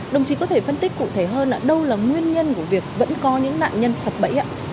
đồng chí có thể phân tích cụ thể hơn là đâu là nguyên nhân của việc vẫn có những nạn nhân sập bẫy